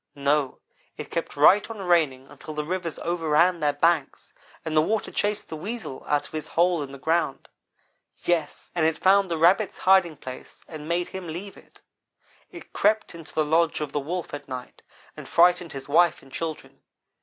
No, it kept right on raining until the rivers overran their banks, and the water chased the Weasel out of his hole in the ground. Yes, and it found the Rabbit's hiding place and made him leave it. It crept into the lodge of the Wolf at night and frightened his wife and children.